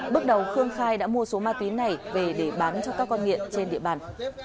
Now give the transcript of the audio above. bước đầu khương khai đã mua số ma túy này về để bán cho các con nghiện trên địa bàn